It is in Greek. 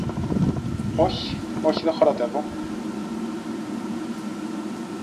Όχι, όχι δε χωρατεύω!